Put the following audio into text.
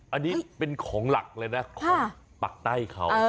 อันนี้เป็นของหลักเลยนะของปากใต้เขา